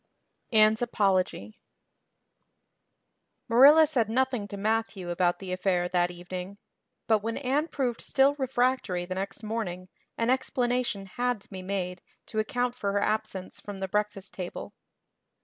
Anne's Apology MARILLA said nothing to Matthew about the affair that evening; but when Anne proved still refractory the next morning an explanation had to be made to account for her absence from the breakfast table.